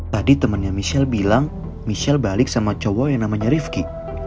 tadi temannya michelle bilang michelle balik sama cowok yang namanya rifki